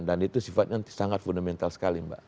dan itu sifatnya sangat fundamental sekali mbak